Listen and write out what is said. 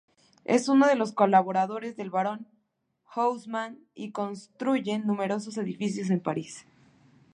Es uno de los colaboradores del barón Haussmann y construye numerosos edificios en París.